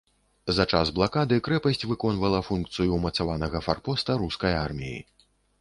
За час блакады крэпасць выконвала функцыю ўмацаванага фарпоста рускай арміі.